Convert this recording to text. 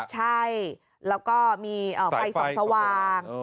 ใช่แล้วก็มีไฟส่องสว่าง